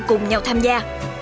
cùng nhau tham gia